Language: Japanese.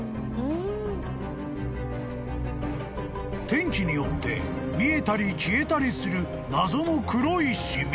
［天気によって見えたり消えたりする謎の黒い染み］